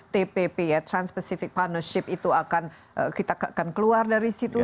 tpp ya trans pacific partnership itu akan kita akan keluar dari situ